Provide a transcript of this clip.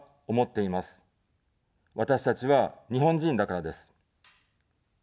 私たちは日本人だからです。